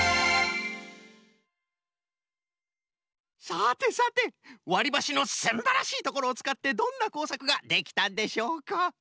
さてさてわりばしのすんばらしいところをつかってどんなこうさくができたんでしょうか？